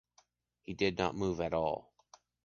He did not move at all.